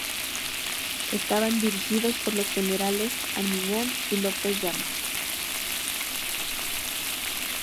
Estaban dirigidos por los Generales Armiñán y López de Amor.